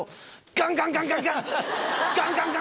ガンガンガンガンガン！